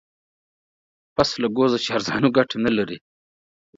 پسله گوزه چارزانو گټه نه لري.